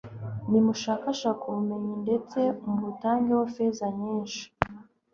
nimushakashake ubumenyi, ndetse mubutangeho feza nyinshi